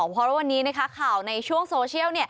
เพราะว่าวันนี้ข่าวในช่วงโซเชียล